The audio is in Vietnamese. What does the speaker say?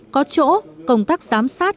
có chỗ công tác giám sát